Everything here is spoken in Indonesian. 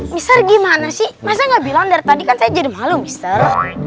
bisa gimana sih mas nggak bilang dari tadi kan saya jadi malu mister